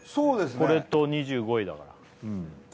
これと２５位だからああ